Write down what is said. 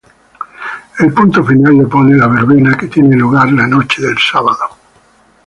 El punto final lo pone la verbena que tiene lugar la noche del sábado.